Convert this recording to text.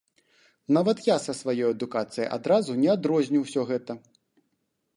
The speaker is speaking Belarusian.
Нават я са сваёй адукацыяй адразу не адрозню ўсё гэта.